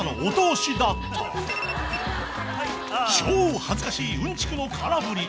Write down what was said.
［超恥ずかしいうんちくの空振り。